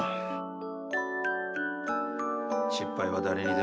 失敗は誰にでもある。